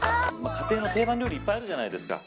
家庭の定番料理いっぱいあるじゃないですか。